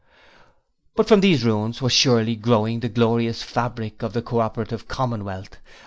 But from these ruins was surely growing the glorious fabric of the Co operative Commonwealth.